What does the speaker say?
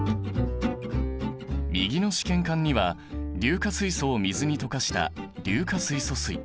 右の試験管には硫化水素を水に溶かした硫化水素水。